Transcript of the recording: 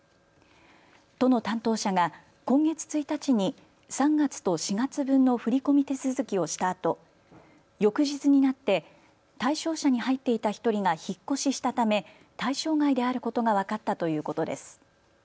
都の担当者が今月１日に３月と４月分の振り込み手続きをしたあと翌日になって対象者に入っていた１人が引っ越ししたため対象外であることが分かったということです。